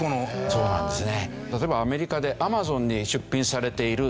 そうなんですね。